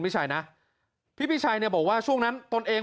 พี่ชัยเนี่ยบอกว่าช่วงนั้นตอนเอง